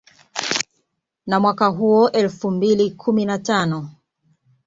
Na mwaka huo elfu mbili kumi na tano